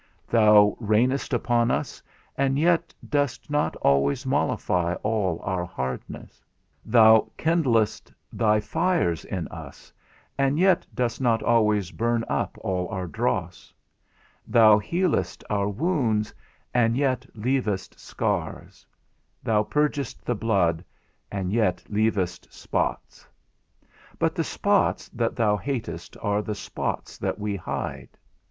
Thou rainest upon us, and yet dost not always mollify all our hardness; thou kindlest thy fires in us, and yet dost not always burn up all our dross; thou healest our wounds, and yet leavest scars; thou purgest the blood, and yet leavest spots. But the spots that thou hatest are the spots that we hide.